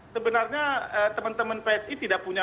sebenarnya teman teman psi tidak punya